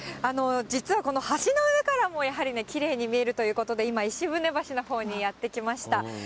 実はこの橋の上からも、やはりね、きれいに見えるということで、今、石舟橋のほうにやって来ました。